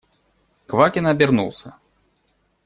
Квакин обернулся.